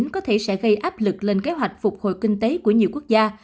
có thể sẽ gây áp lực lên kế hoạch phục hồi kinh tế của nhiều quốc gia